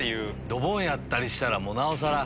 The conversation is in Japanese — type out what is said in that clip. ドボンやったりしたらなおさら。